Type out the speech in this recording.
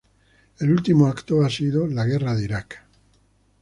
El último evento ha sido la guerra de Irak.